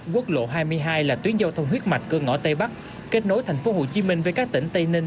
quốc lộ hai mươi hai là tuyến giao thông huyết mạch cơ ngõ tây bắc kết nối tp hcm với các tỉnh tây ninh